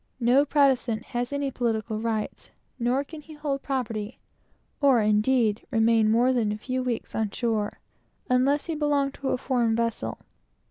No Protestant has any civil rights, nor can he hold any property, or, indeed, remain more than a few weeks on shore, unless he belong to some vessel.